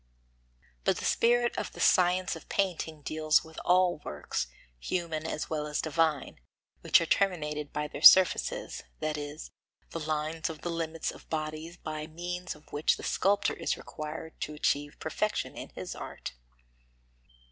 But the spirit of the science of painting deals with all works, human as well as divine, which are terminated by their surfaces, that is, the lines of the limits of bodies by means of which the sculptor is required to achieve perfection in his art.